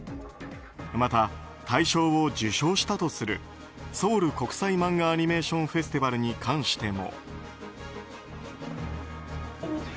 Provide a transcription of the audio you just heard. また、大賞を受賞したとするソウル国際漫画アニメーションフェスティバルに関しても。